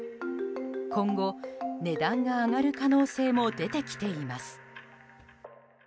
今後、値段が上がる可能性も出てきています。